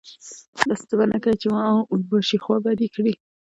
داسې څه به نه کوې چې ما او اون باشي خوابدي کړي.